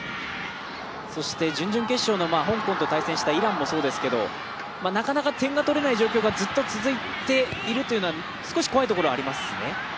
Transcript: そして準々決勝の香港と対戦したイランもそうですけど、なかなか点が取れない状況がずっと続いているというのは少し怖いところはありますね。